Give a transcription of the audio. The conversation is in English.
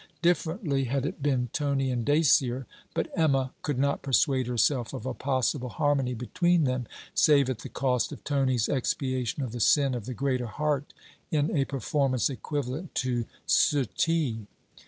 Differently, had it been Tony and Dacier: but Emma could not persuade herself of a possible harmony between them, save at the cost of Tony's expiation of the sin of the greater heart in a performance equivalent to Suttee.